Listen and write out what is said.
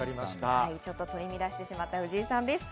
ちょっと取り乱してしまった藤井さんでした。